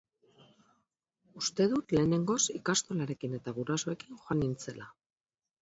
Uste dut lehenengoz ikastolarekin eta gurasoekin joan nintzela.